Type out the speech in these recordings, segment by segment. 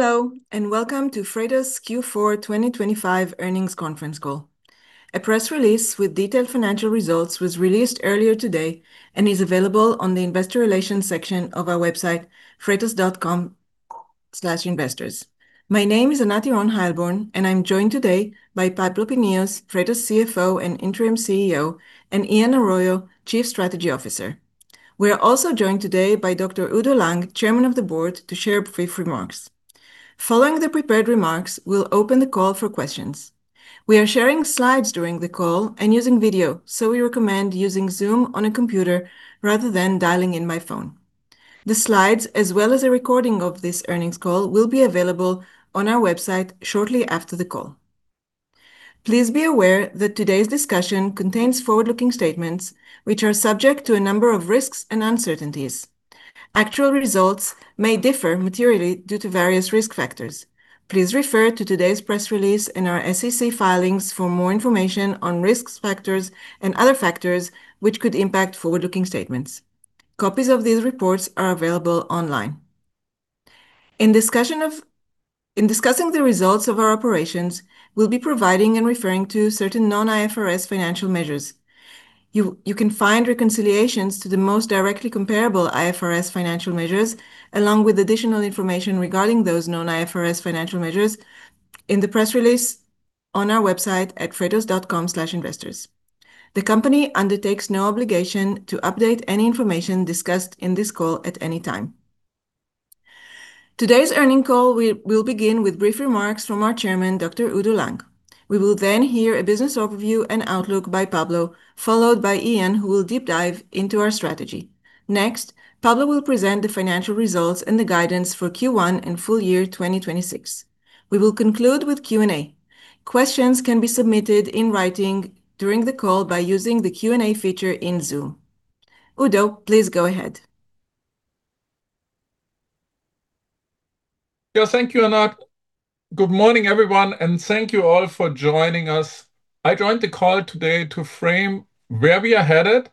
Hello, welcome to Freightos' Q4 2025 earnings conference call. A press release with detailed financial results was released earlier today and is available on the Investor Relations section of our website, freightos.com/investors. My name is Anat Earon-Heilborn, and I'm joined today by Pablo Pinillos, Freightos' CFO and Interim CEO, and Ian Arroyo, Chief Strategy Officer. We are also joined today by Dr. Udo Lange, Chairman of the Board, to share brief remarks. Following the prepared remarks, we'll open the call for questions. We are sharing slides during the call and using video, so we recommend using Zoom on a computer rather than dialing in by phone. The slides, as well as a recording of this earnings call, will be available on our website shortly after the call. Please be aware that today's discussion contains forward-looking statements, which are subject to a number of risks and uncertainties. Actual results may differ materially due to various risk factors. Please refer to today's press release and our SEC filings for more information on risk factors and other factors which could impact forward-looking statements. Copies of these reports are available online. In discussing the results of our operations, we'll be providing and referring to certain non-IFRS financial measures. You can find reconciliations to the most directly comparable IFRS financial measures, along with additional information regarding those non-IFRS financial measures, in the press release on our website at freightos.com/investors. The company undertakes no obligation to update any information discussed in this call at any time. Today's earnings call will begin with brief remarks from our chairman, Dr. Udo Lange. We will then hear a business overview and outlook by Pablo, followed by Ian, who will deep dive into our strategy. Next, Pablo will present the financial results and the guidance for Q1 and full year 2026. We will conclude with Q&A. Questions can be submitted in writing during the call by using the Q&A feature in Zoom. Udo, please go ahead. Yeah. Thank you, Anat. Good morning, everyone. Thank you all for joining us. I joined the call today to frame where we are headed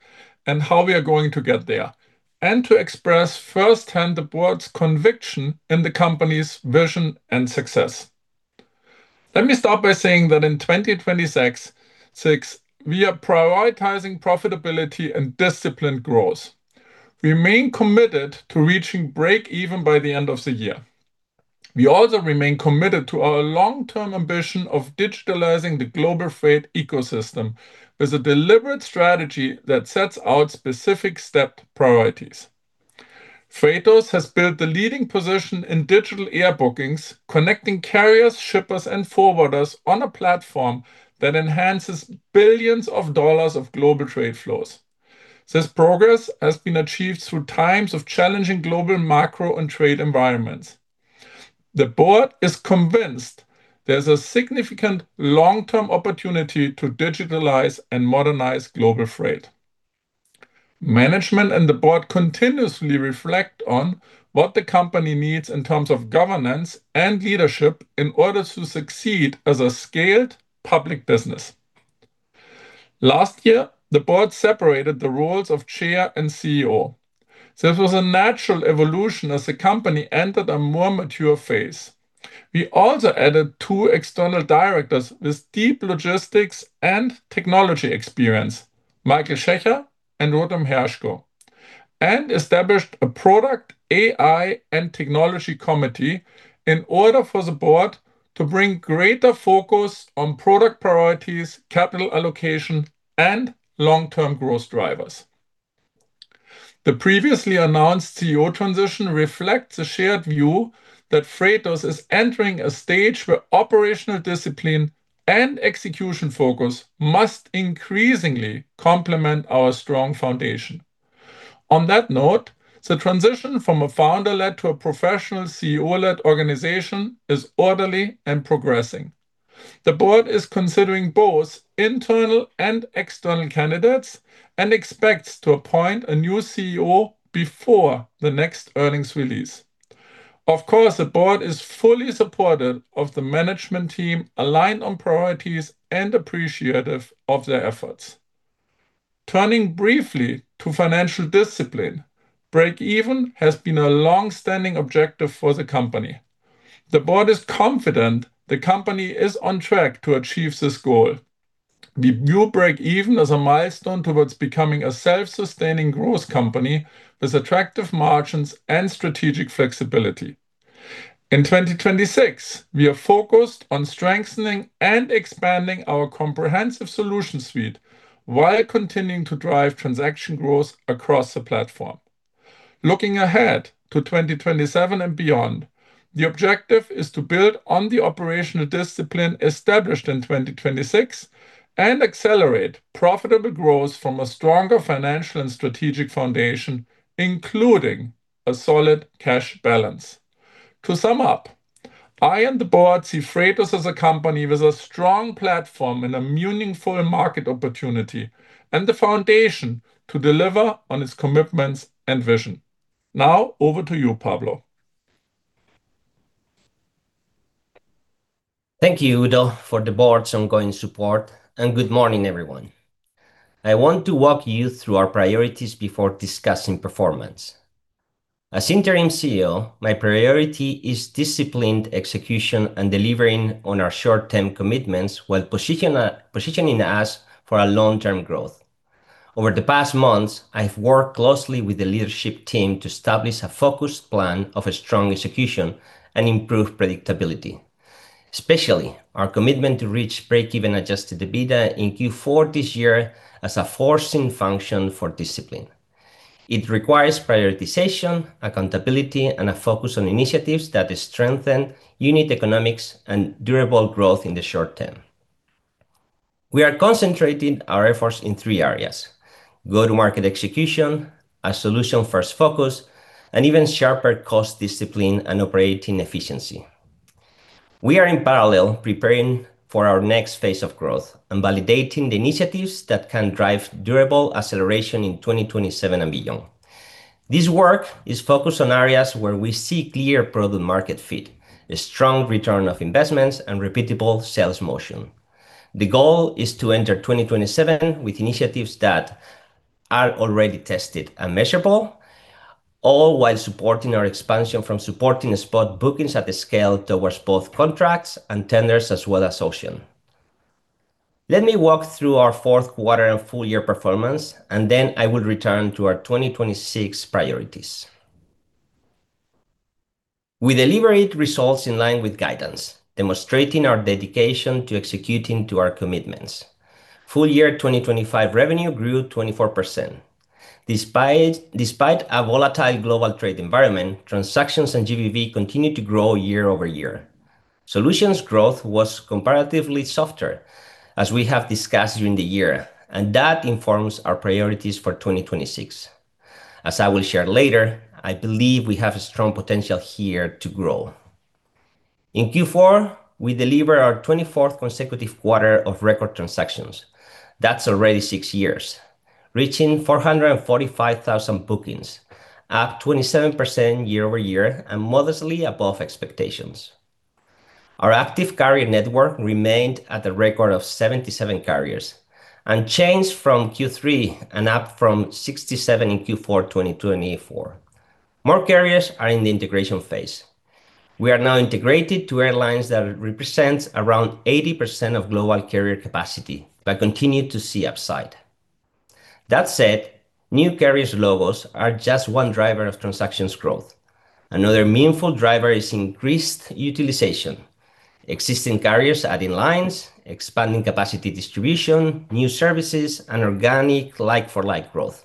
and how we are going to get there and to express firsthand the board's conviction in the company's vision and success. Let me start by saying that in 2026, we are prioritizing profitability and disciplined growth. We remain committed to reaching break even by the end of the year. We also remain committed to our long-term ambition of digitalizing the global freight ecosystem with a deliberate strategy that sets out specific step priorities. Freightos has built the leading position in digital air bookings, connecting carriers, shippers, and forwarders on a platform that enhances billions of dollars of global trade flows. This progress has been achieved through times of challenging global macro and trade environments. The board is convinced there's a significant long-term opportunity to digitalize and modernize global freight. Management and the board continuously reflect on what the company needs in terms of governance and leadership in order to succeed as a scaled public business. Last year, the board separated the roles of chair and CEO. This was a natural evolution as the company entered a more mature phase. We also added two external directors with deep logistics and technology experience, Michael Schaecher and Rotem Hershko, and established a product, AI, and technology committee in order for the board to bring greater focus on product priorities, capital allocation, and long-term growth drivers. The previously announced CEO transition reflects a shared view that Freightos is entering a stage where operational discipline and execution focus must increasingly complement our strong foundation. On that note, the transition from a founder-led to a professional CEO-led organization is orderly and progressing. The board is considering both internal and external candidates and expects to appoint a new CEO before the next earnings release. Of course, the board is fully supportive of the management team, aligned on priorities, and appreciative of their efforts. Turning briefly to financial discipline, break even has been a long-standing objective for the company. The board is confident the company is on track to achieve this goal. We view break even as a milestone towards becoming a self-sustaining growth company with attractive margins and strategic flexibility. In 2026, we are focused on strengthening and expanding our comprehensive solution suite while continuing to drive transaction growth across the platform. Looking ahead to 2027 and beyond, the objective is to build on the operational discipline established in 2026 and accelerate profitable growth from a stronger financial and strategic foundation, including a solid cash balance. To sum up, I and the board see Freightos as a company with a strong platform and a meaningful market opportunity, and the foundation to deliver on its commitments and vision. Over to you, Pablo. Thank you, Udo, for the board's ongoing support. Good morning, everyone. I want to walk you through our priorities before discussing performance. As interim CEO, my priority is disciplined execution and delivering on our short-term commitments while positioning us for a long-term growth. Over the past months, I have worked closely with the leadership team to establish a focused plan of a strong execution and improve predictability, especially our commitment to reach break-even Adjusted EBITDA in Q4 this year as a forcing function for discipline. It requires prioritization, accountability, and a focus on initiatives that strengthen unit economics and durable growth in the short term. We are concentrating our efforts in three areas: go-to-market execution, a solution-first focus, and even sharper cost discipline and operating efficiency. We are in parallel preparing for our next phase of growth and validating the initiatives that can drive durable acceleration in 2027 and beyond. This work is focused on areas where we see clear product market fit, a strong return of investments, and repeatable sales motion. The goal is to enter 2027 with initiatives that are already tested and measurable, all while supporting our expansion from supporting spot bookings at the scale towards both contracts and tenders as well as ocean. Let me walk through our fourth quarter and full year performance, and then I will return to our 2026 priorities. We delivered results in line with guidance, demonstrating our dedication to executing to our commitments. Full year 2025 revenue grew 24%. Despite a volatile global trade environment, transactions and GBV continued to grow year-over-year. Solutions growth was comparatively softer, as we have discussed during the year. That informs our priorities for 2026. As I will share later, I believe we have a strong potential here to grow. In Q4, we delivered our 24th consecutive quarter of record transactions. That's already six years, reaching 445,000 bookings, up 27% year-over-year and modestly above expectations. Our active carrier network remained at a record of 77 carriers unchanged from Q3 and up from 67 in Q4 2024. More carriers are in the integration phase. We are now integrated to airlines that represents around 80% of global carrier capacity. Continue to see upside. That said, new carrier logos are just one driver of transactions growth. Another meaningful driver is increased utilization, existing carriers adding lines, expanding capacity distribution, new services, and organic like-for-like growth.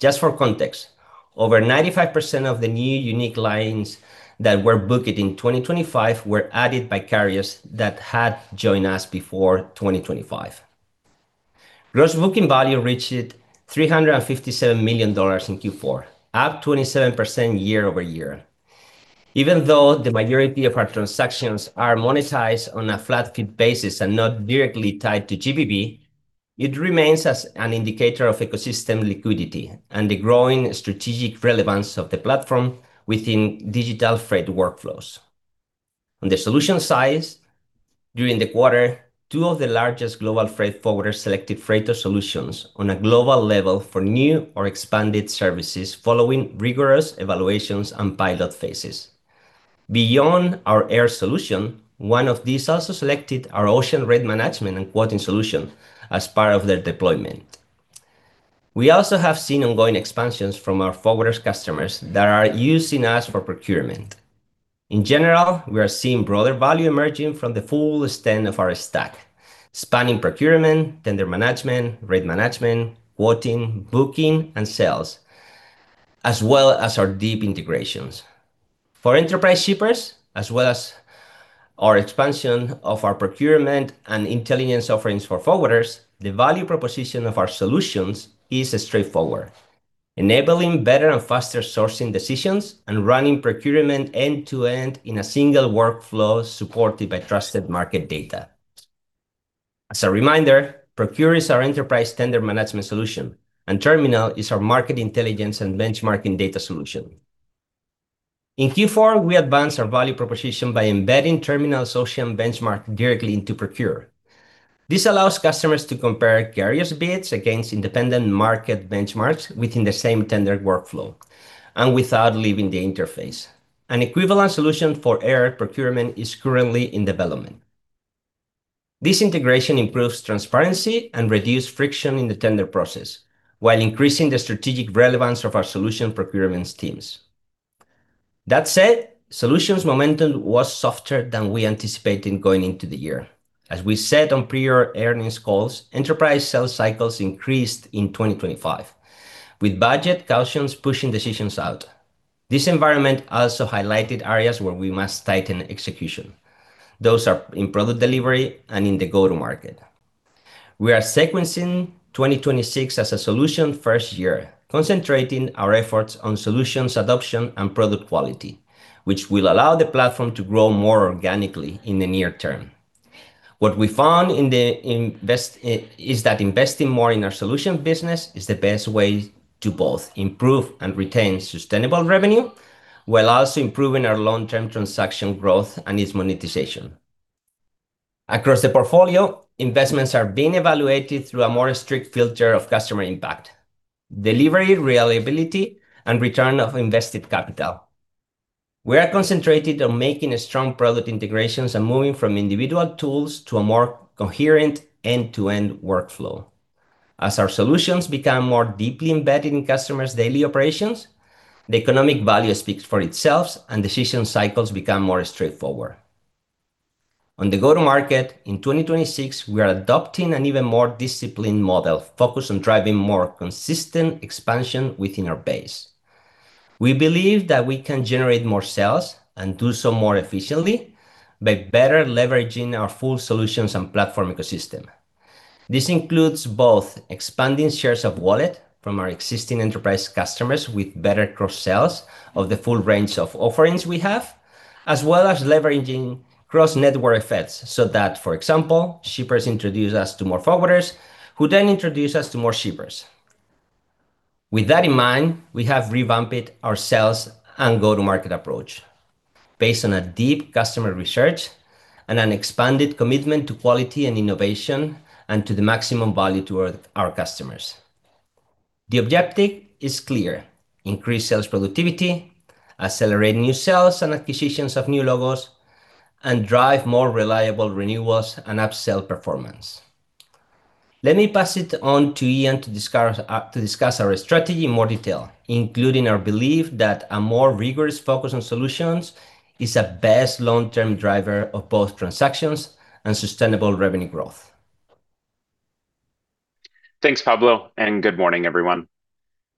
Just for context, over 95% of the new unique lines that were booked in 2025 were added by carriers that had joined us before 2025. Gross booking value reached $357 million in Q4, up 27% year-over-year. Even though the majority of our transactions are monetized on a flat fee basis and not directly tied to GBV, it remains as an indicator of ecosystem liquidity and the growing strategic relevance of the platform within digital freight workflows. On the solution side, during the quarter, two of the largest global freight forwarders selected Freightos solutions on a global level for new or expanded services following rigorous evaluations and pilot phases. Beyond our air solution, one of these also selected our ocean rate management and quoting solution as part of their deployment. We also have seen ongoing expansions from our forwarders customers that are using us for procurement. In general, we are seeing broader value emerging from the full extent of our stack, spanning procurement, tender management, rate management, quoting, booking, and sales, as well as our deep integrations. For enterprise shippers, as well as our expansion of our procurement and intelligence offerings for forwarders, the value proposition of our solutions is straightforward: enabling better and faster sourcing decisions and running procurement end-to-end in a single workflow supported by trusted market data. As a reminder, Procure is our enterprise tender management solution, and Terminal is our market intelligence and benchmarking data solution. In Q4, we advanced our value proposition by embedding Terminal's ocean benchmark directly into Procure. This allows customers to compare carriers' bids against independent market benchmarks within the same tender workflow and without leaving the interface. An equivalent solution for air procurement is currently in development. This integration improves transparency and reduces friction in the tender process while increasing the strategic relevance of our solution procurement teams. That said, solutions momentum was softer than we anticipated going into the year. As we said on prior earnings calls, enterprise sales cycles increased in 2025, with budget cautions pushing decisions out. This environment also highlighted areas where we must tighten execution. Those are in product delivery and in the go-to-market. We are sequencing 2026 as a solution-first year, concentrating our efforts on solutions adoption and product quality, which will allow the platform to grow more organically in the near term. What we found is that investing more in our solution business is the best way to both improve and retain sustainable revenue, while also improving our long-term transaction growth and its monetization. Across the portfolio, investments are being evaluated through a more strict filter of customer impact, delivery, reliability, and return of invested capital. We are concentrated on making a strong product integrations and moving from individual tools to a more coherent end-to-end workflow. As our solutions become more deeply embedded in customers' daily operations, the economic value speaks for itself, and decision cycles become more straightforward. On the go-to-market, in 2026, we are adopting an even more disciplined model, focused on driving more consistent expansion within our base. We believe that we can generate more sales and do so more efficiently by better leveraging our full solutions and platform ecosystem. This includes both expanding shares of wallet from our existing enterprise customers with better cross-sales of the full range of offerings we have, as well as leveraging cross-network effects, so that, for example, shippers introduce us to more forwarders, who then introduce us to more shippers. With that in mind, we have revamped our sales and go-to-market approach, based on a deep customer research and an expanded commitment to quality and innovation, and to the maximum value toward our customers. The objective is clear: increase sales productivity, accelerate new sales and acquisitions of new logos, and drive more reliable renewals and upsell performance. Let me pass it on to Ian to discuss, to discuss our strategy in more detail, including our belief that a more rigorous focus on solutions is a best long-term driver of both transactions and sustainable revenue growth. Thanks, Pablo, and good morning, everyone.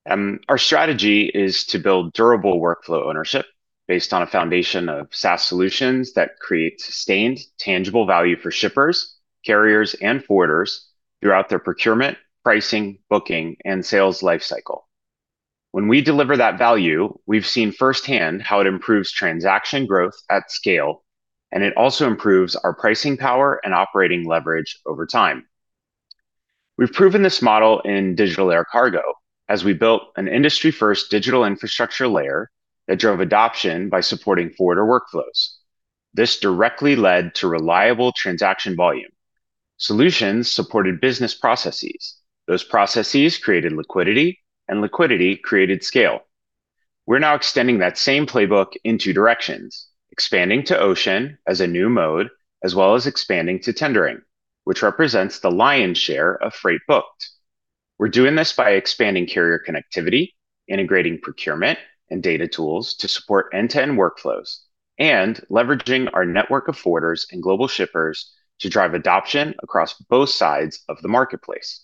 Our strategy is to build durable workflow ownership based on a foundation of SaaS solutions that create sustained, tangible value for shippers, carriers, and forwarders throughout their procurement, pricing, booking, and sales lifecycle. When we deliver that value, we've seen firsthand how it improves transaction growth at scale, and it also improves our pricing power and operating leverage over time. We've proven this model in digital air cargo, as we built an industry-first digital infrastructure layer that drove adoption by supporting forwarder workflows. This directly led to reliable transaction volume. Solutions supported business processes. Those processes created liquidity, and liquidity created scale. We're now extending that same playbook in two directions: expanding to ocean as a new mode, as well as expanding to tendering, which represents the lion's share of freight booked. We're doing this by expanding carrier connectivity, integrating procurement and data tools to support end-to-end workflows, leveraging our network of forwarders and global shippers to drive adoption across both sides of the marketplace.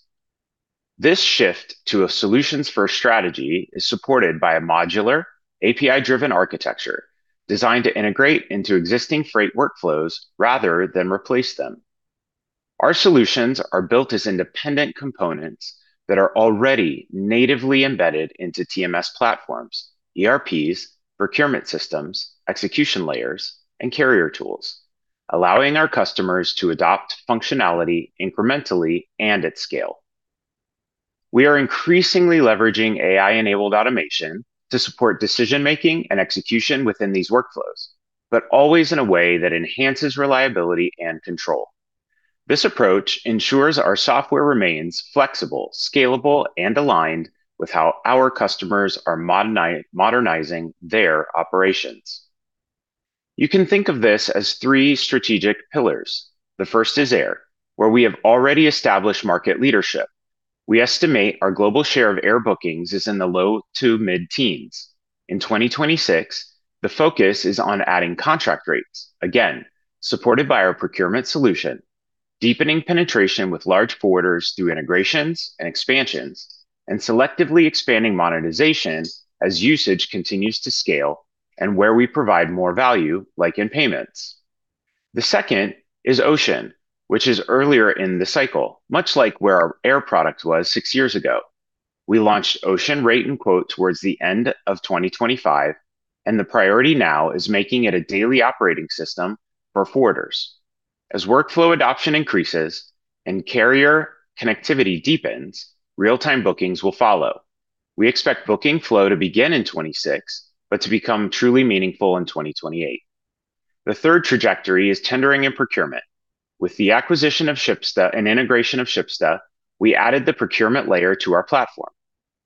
This shift to a solutions-first strategy is supported by a modular, API-driven architecture, designed to integrate into existing freight workflows rather than replace them. Our solutions are built as independent components that are already natively embedded into TMS platforms, ERPs, procurement systems, execution layers, and carrier tools, allowing our customers to adopt functionality incrementally and at scale. We are increasingly leveraging AI-enabled automation to support decision-making and execution within these workflows, always in a way that enhances reliability and control. This approach ensures our software remains flexible, scalable, and aligned with how our customers are modernizing their operations. You can think of this as three strategic pillars. The first is air, where we have already established market leadership. We estimate our global share of air bookings is in the low to mid-teens. In 2026, the focus is on adding contract rates, again, supported by our procurement solution, deepening penetration with large forwarders through integrations and expansions, and selectively expanding monetization as usage continues to scale and where we provide more value, like in payments. The second is ocean, which is earlier in the cycle, much like where our air product was six years ago. We launched Ocean Rate and Quote towards the end of 2025, and the priority now is making it a daily operating system for forwarders. As workflow adoption increases and carrier connectivity deepens, real-time bookings will follow. We expect booking flow to begin in 2026, but to become truly meaningful in 2028. The third trajectory is tendering and procurement. With the acquisition of Shipsta and integration of Shipsta, we added the procurement layer to our platform.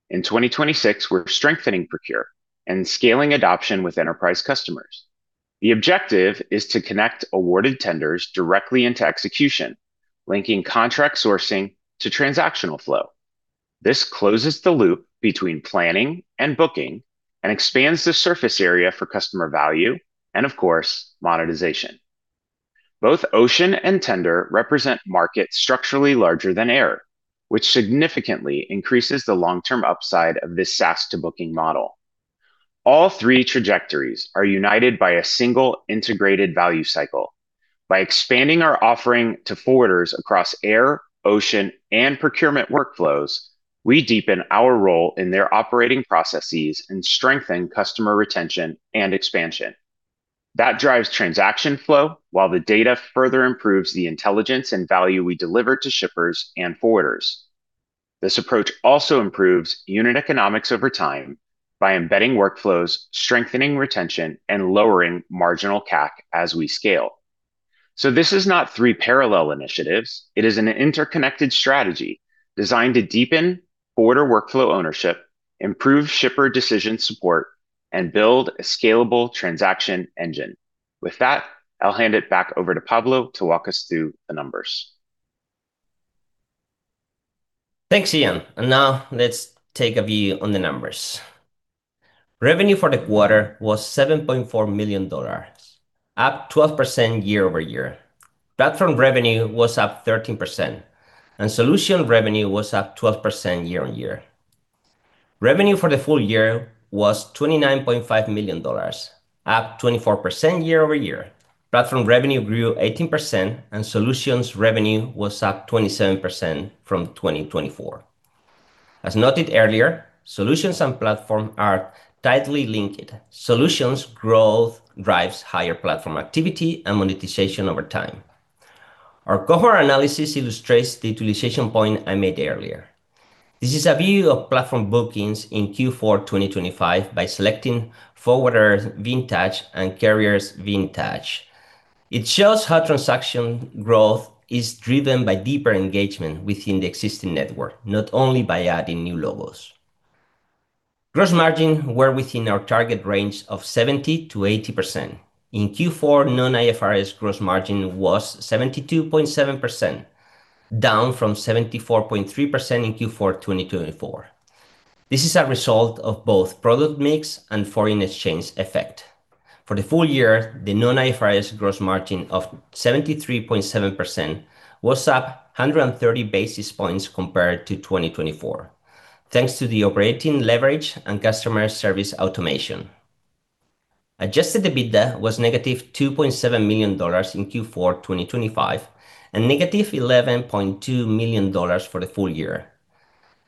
In 2026, we're strengthening procure and scaling adoption with enterprise customers. The objective is to connect awarded tenders directly into execution, linking contract sourcing to transactional flow. This closes the loop between planning and booking and expands the surface area for customer value, and of course, monetization. Both ocean and tender represent markets structurally larger than air, which significantly increases the long-term upside of this SaaS to booking model. All three trajectories are united by a single integrated value cycle. By expanding our offering to forwarders across air, ocean, and procurement workflows. We deepen our role in their operating processes and strengthen customer retention and expansion. That drives transaction flow, while the data further improves the intelligence and value we deliver to shippers and forwarders. This approach also improves unit economics over time by embedding workflows, strengthening retention, and lowering marginal CAC as we scale. This is not three parallel initiatives. It is an interconnected strategy designed to deepen forwarder workflow ownership, improve shipper decision support, and build a scalable transaction engine. With that, I'll hand it back over to Pablo to walk us through the numbers. Thanks, Ian. Now let's take a view on the numbers. Revenue for the quarter was $7.4 million, up 12% year-over-year. Platform revenue was up 13%. Solution revenue was up 12% year-on-year. Revenue for the full year was $29.5 million, up 24% year-over-year. Platform revenue grew 18%. Solutions revenue was up 27% from 2024. As noted earlier, solutions and platform are tightly linked. Solutions growth drives higher platform activity and monetization over time. Our cohort analysis illustrates the utilization point I made earlier. This is a view of platform bookings in Q4 2025 by selecting forwarder vintage and carriers vintage. It shows how transaction growth is driven by deeper engagement within the existing network, not only by adding new logos. Gross margin were within our target range of 70%-80%. In Q4, non-IFRS gross margin was 72.7%, down from 74.3% in Q4 2024. This is a result of both product mix and foreign exchange effect. For the full year, the non-IFRS gross margin of 73.7% was up 130 basis points compared to 2024, thanks to the operating leverage and customer service automation. Adjusted EBITDA was -$2.7 million in Q4 2025, and -$11.2 million for the full year.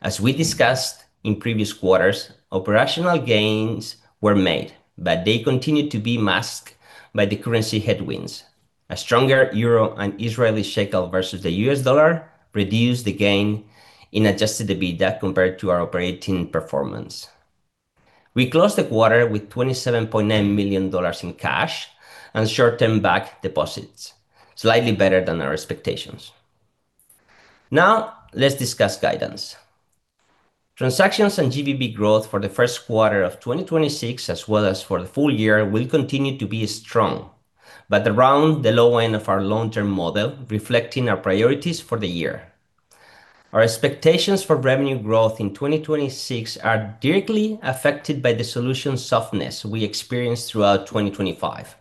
As we discussed in previous quarters, operational gains were made, but they continued to be masked by the currency headwinds. A stronger euro and Israeli shekel versus the US dollar reduced the gain in Adjusted EBITDA compared to our operating performance. We closed the quarter with $27.9 million in cash and short-term bank deposits, slightly better than our expectations. Let's discuss guidance. Transactions and GBV growth for the first quarter of 2026, as well as for the full year, will continue to be strong, but around the low end of our long-term model, reflecting our priorities for the year. Our expectations for revenue growth in 2026 are directly affected by the solution softness we experienced throughout 2025.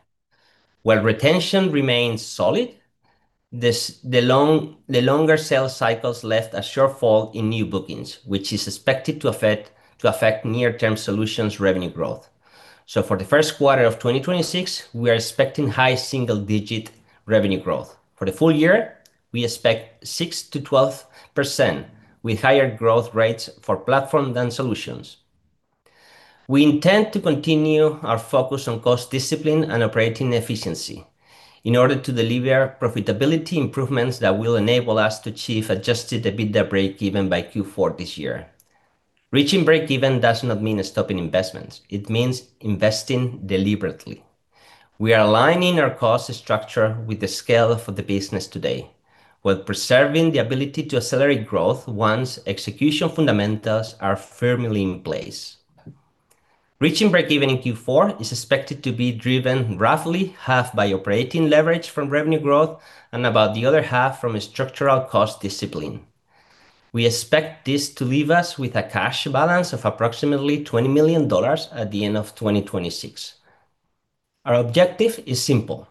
While retention remains solid, the longer sales cycles left a shortfall in new bookings, which is expected to affect near-term solutions revenue growth. For the first quarter of 2026, we are expecting high single-digit revenue growth. For the full year, we expect 6%-12%, with higher growth rates for platform than solutions. We intend to continue our focus on cost discipline and operating efficiency in order to deliver profitability improvements that will enable us to achieve Adjusted EBITDA break-even by Q4 this year. Reaching break-even does not mean stopping investments; it means investing deliberately. We are aligning our cost structure with the scale of the business today, while preserving the ability to accelerate growth once execution fundamentals are firmly in place. Reaching break-even in Q4 is expected to be driven roughly half by operating leverage from revenue growth and about the other half from a structural cost discipline. We expect this to leave us with a cash balance of approximately $20 million at the end of 2026. Our objective is simple: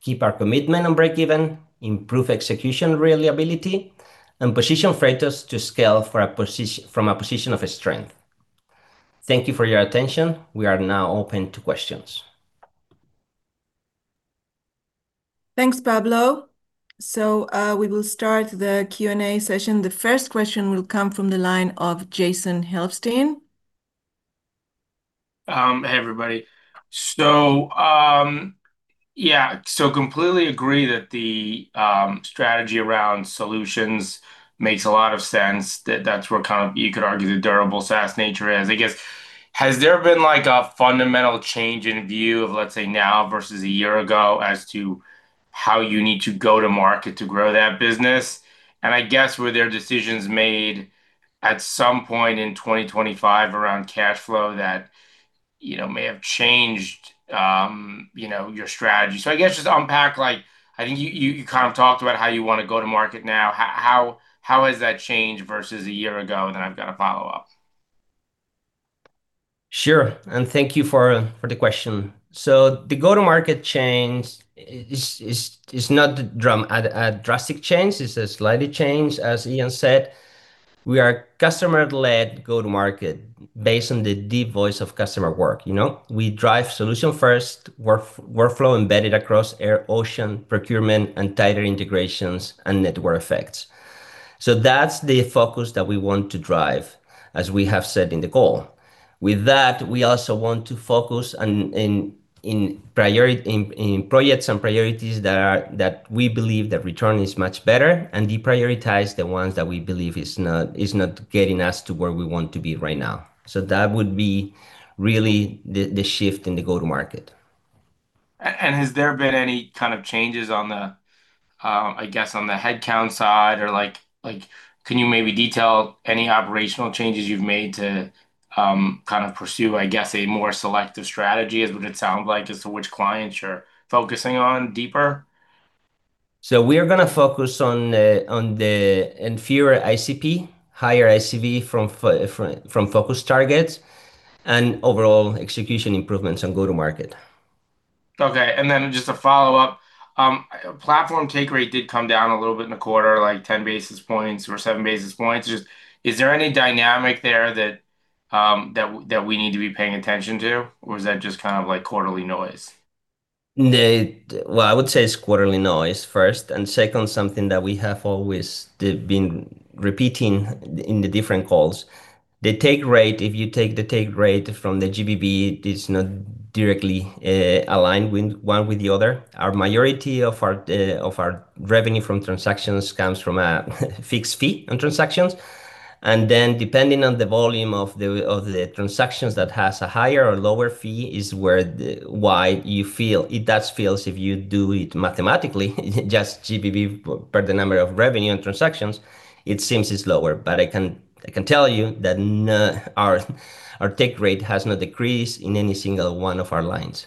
keep our commitment on break-even, improve execution reliability, and position Freightos to scale for a position, from a position of strength. Thank you for your attention. We are now open to questions. Thanks, Pablo. We will start the Q&A session. The first question will come from the line of Jason Helfstein. Hey, everybody. Yeah, so completely agree that the strategy around solutions makes a lot of sense, that that's where kind of you could argue the durable SaaS nature is. I guess, has there been like a fundamental change in view of, let's say, now versus a year ago as to how you need to go to market to grow that business? I guess, were there decisions made at some point in 2025 around cash flow that, you know, may have changed, you know, your strategy? I guess just unpack like, I think you kind of talked about how you want to go to market now. How, how has that changed versus a year ago? I've got a follow-up. Sure. Thank you for, for the question. The go-to-market change is, is, is not a drastic change. It's a slightly change. As Ian said, we are customer-led go-to-market. based on the deep voice of customer work, you know. We drive solution first, workflow embedded across air, ocean, procurement, and tighter integrations and network effects. That's the focus that we want to drive, as we have said in the call. With that, we also want to focus on, in, in priority, in, in projects and priorities that we believe the return is much better, and deprioritize the ones that we believe is not, is not getting us to where we want to be right now. That would be really the, the shift in the go-to-market. And has there been any kind of changes on the, I guess, on the headcount side? Or like, like, can you maybe detail any operational changes you've made to kind of pursue, I guess, a more selective strategy, is what it sounds like, as to which clients you're focusing on deeper? We are gonna focus on the, on the inferior ICP, higher ICV from from focus targets, and overall execution improvements on go-to-market. Okay, then just a follow-up. platform take rate did come down a little bit in the quarter, like 10 basis points or 7 basis points. Just, is there any dynamic there that, that, that we need to be paying attention to, or is that just kind of like quarterly noise? Well, I would say it's quarterly noise first, and second, something that we have always been repeating in the different calls. The take rate, if you take the take rate from the GBP, it's not directly aligned with one with the other. Our majority of our revenue from transactions comes from a fixed fee on transactions. Then, depending on the volume of the transactions that has a higher or lower fee, is where why you feel. It does feels if you do it mathematically, just GBP per the number of revenue and transactions, it seems it's lower. I can, I can tell you that our take rate has not decreased in any single one of our lines.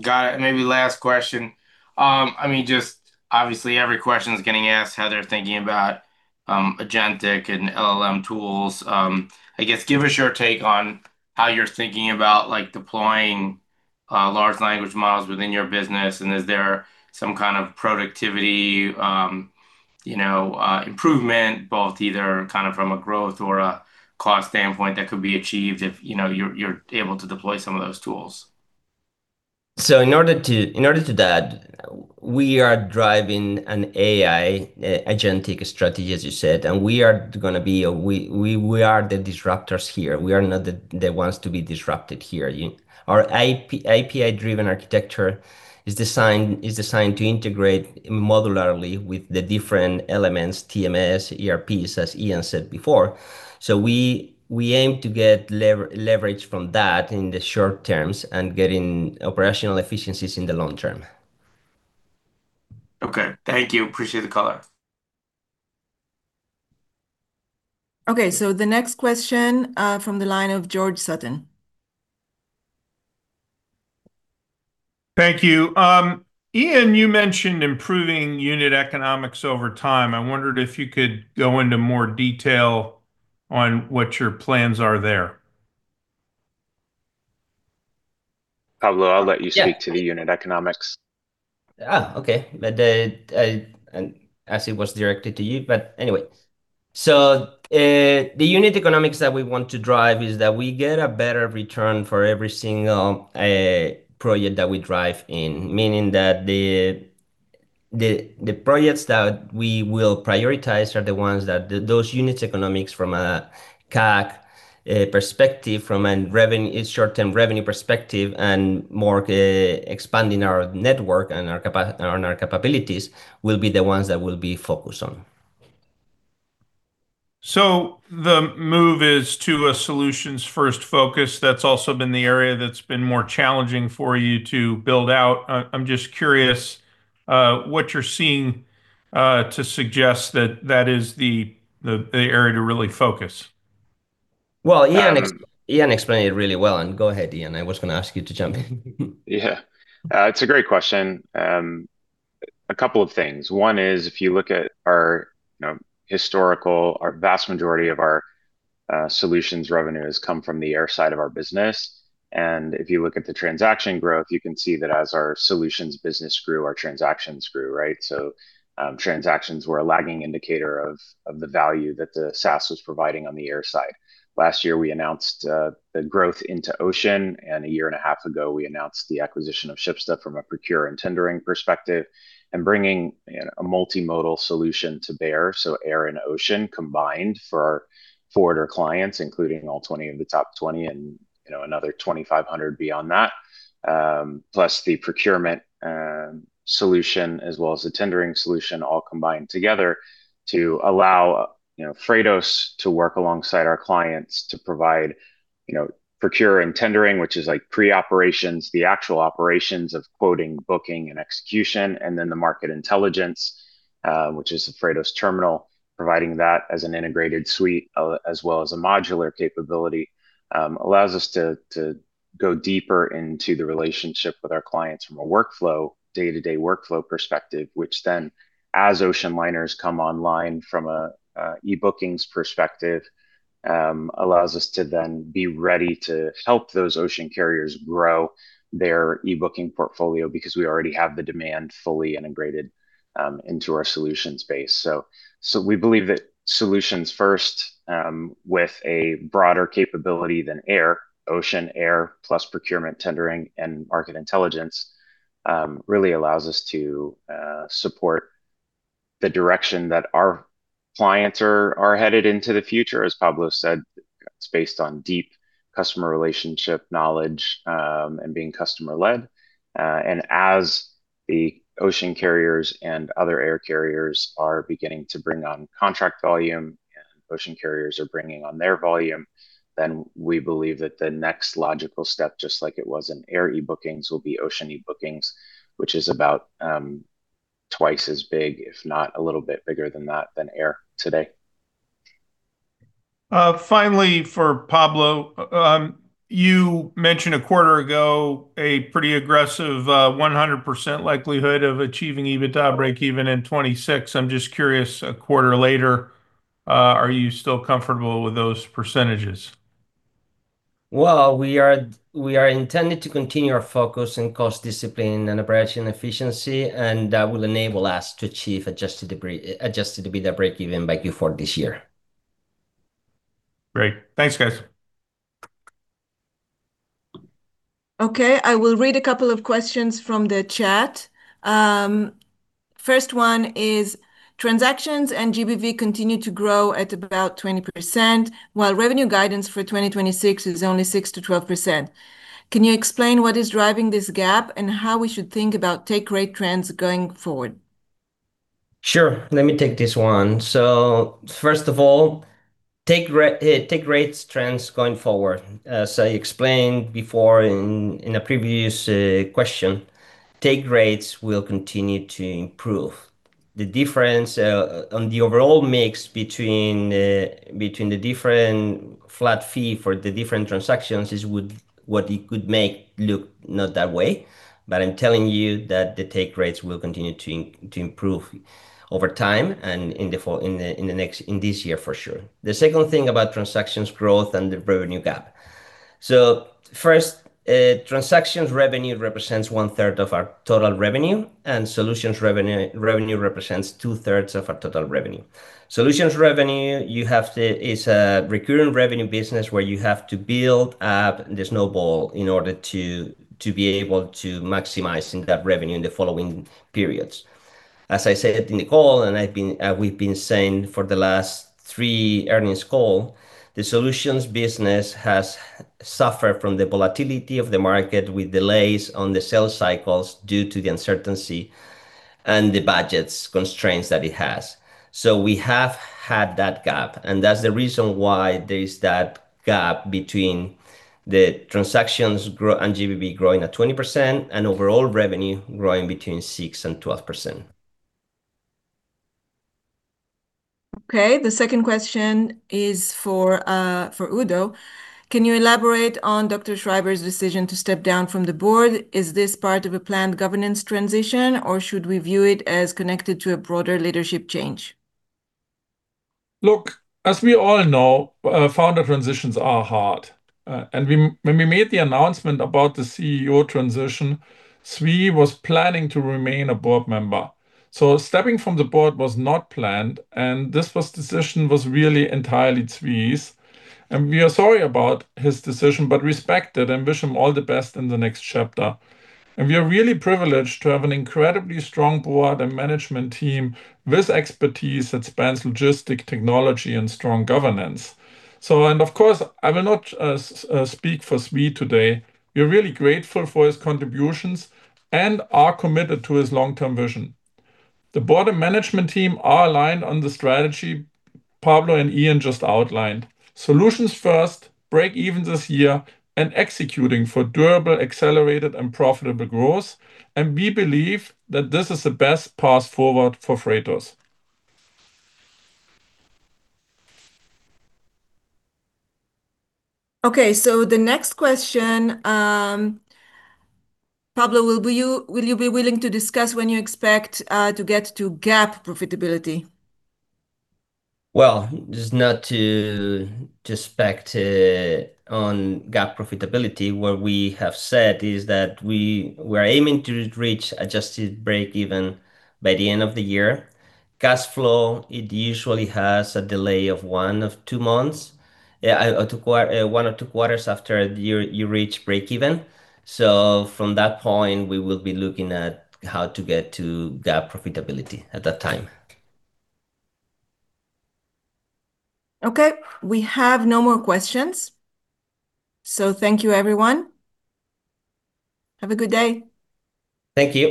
Got it. Maybe last question. I mean, just obviously, every question is getting asked how they're thinking about, agentic and LLM tools. I guess, give us your take on how you're thinking about, like, deploying large language models within your business, and is there some kind of productivity, you know, improvement, both either kind of from a growth or a cost standpoint that could be achieved if, you know, you're, you're able to deploy some of those tools? In order to, in order to that, we are driving an AI, agentic strategy, as you said, and we are gonna be, we are the disruptors here. We are not the ones to be disrupted here. Our API-driven architecture is designed to integrate modularly with the different elements, TMS, ERPs, as Ian said before. We aim to get leverage from that in the short terms and getting operational efficiencies in the long term. Okay, thank you. Appreciate the call. The next question, from the line of George Sutton. Thank you. Ian, you mentioned improving unit economics over time. I wondered if you could go into more detail on what your plans are there. Pablo, I'll let you speak. Yeah.... to the unit economics. Okay. The, I, and I assume it was directed to you, but anyway. The unit economics that we want to drive is that we get a better return for every single project that we drive in. Meaning that the, the, the projects that we will prioritize are the ones that the, those units economics from a CAC perspective, from an revenue, a short-term revenue perspective, and more, expanding our network and our capabilities, will be the ones that we'll be focused on. The move is to a solutions-first focus that's also been the area that's been more challenging for you to build out. I'm just curious what you're seeing to suggest that that is the area to really focus. Well, Ian explained it really well, and go ahead, Ian, I was gonna ask you to jump in. Yeah. It's a great question. A couple of things. One is, if you look at our, you know, historical, our vast majority of our solutions revenues come from the air side of our business, and if you look at the transaction growth, you can see that as our solutions business grew, our transactions grew, right? Transactions were a lagging indicator of the value that the SaaS was providing on the air side. Last year, we announced the growth into Ocean, and a year and a half ago, we announced the acquisition of Shipsta from a procure and tendering perspective, and bringing, you know, a multimodal solution to bear, so air and ocean combined for our forwarder clients, including all 20 of the top 20 and, you know, another 2,500 beyond that. Plus the procurement solution, as well as the tendering solution, all combined together to allow, you know, Freightos to work alongside our clients to provide, you know, procure and tendering, which is like pre-operations, the actual operations of quoting, booking, and execution, and then the market intelligence, which is the Freightos Terminal. Providing that as an integrated suite, as well as a modular capability, allows us to, to go deeper into the relationship with our clients from a workflow, day-to-day workflow perspective, which then, as ocean liners come online from a e-bookings perspective, allows us to then be ready to help those ocean carriers grow their e-booking portfolio because we already have the demand fully integrated into our solution space. We believe that solutions first, with a broader capability than air. Ocean, air, plus procurement, tendering, and market intelligence, really allows us to support the direction that our clients are, are headed into the future. As Pablo said, it's based on deep customer relationship knowledge, and being customer-led. As the ocean carriers and other air carriers are beginning to bring on contract volume, and ocean carriers are bringing on their volume, then we believe that the next logical step, just like it was in air e-bookings, will be ocean e-bookings, which is about twice as big, if not a little bit bigger than that, than air today. Finally, for Pablo, you mentioned a quarter ago a pretty aggressive, 100% likelihood of achieving EBITDA breakeven in 2026. I'm just curious, a quarter later, are you still comfortable with those percentages? Well, we are, we are intending to continue our focus in cost discipline and operation efficiency, and that will enable us to achieve Adjusted EBITDA breakeven by Q4 this year. Great. Thanks, guys. Okay, I will read a couple of questions from the chat. First one is: transactions and GBV continue to grow at about 20%, while revenue guidance for 2026 is only 6%-12%. Can you explain what is driving this gap, and how we should think about take rate trends going forward? Sure, let me take this one. First of all, take rates trends going forward. As I explained before in, in a previous question, take rates will continue to improve. The difference on the overall mix between between the different flat fee for the different transactions is what it could make look not that way. I'm telling you that the take rates will continue to improve over time, and in this year, for sure. The second thing about transactions growth and the revenue gap. First, transactions revenue represents 1/3 of our total revenue, and solutions revenue, revenue represents 2/3 of our total revenue. Solutions revenue is a recurring revenue business where you have to build up the snowball in order to, to be able to maximizing that revenue in the following periods. As I said in the call, and I've been, we've been saying for the last 3 earnings call, the solutions business has suffered from the volatility of the market, with delays on the sales cycles due to the uncertainty and the budget's constraints that it has. We have had that gap, and that's the reason why there is that gap between the transactions and GBV growing at 20% and overall revenue growing between 6% and 12%. Okay, the second question is for, for Udo. Can you elaborate on Dr. Schreiber's decision to step down from the board? Is this part of a planned governance transition, or should we view it as connected to a broader leadership change? Look, as we all know, founder transitions are hard. When we made the announcement about the CEO transition, Zvi was planning to remain a board member. Stepping from the board was not planned, and this was decision was really entirely Zvi's, and we are sorry about his decision, but respect it and wish him all the best in the next chapter. We are really privileged to have an incredibly strong board and management team with expertise that spans logistic technology and strong governance. Of course, I will not speak for Zvi today. We're really grateful for his contributions and are committed to his long-term vision. The board and management team are aligned on the strategy Pablo and Ian just outlined: solutions first, break even this year, and executing for durable, accelerated, and profitable growth, and we believe that this is the best path forward for Freightos. Okay, the next question, Pablo, will, will you, will you be willing to discuss when you expect to get to GAAP profitability? Well, just not to just spec on GAAP profitability, what we have said is that we, we're aiming to reach adjusted breakeven by the end of the year. Cash flow, it usually has a delay of one of two months, or one or two quarters after the year you reach breakeven. From that point, we will be looking at how to get to GAAP profitability at that time. Okay, we have no more questions. Thank you, everyone. Have a good day. Thank you.